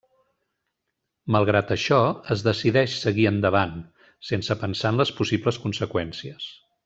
Malgrat això, es decideix seguir endavant, sense pensar en les possibles conseqüències.